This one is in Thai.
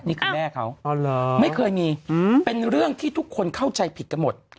นี่คือแม่เขาไม่เคยมีเป็นเรื่องที่ทุกคนเข้าใจผิดกันหมด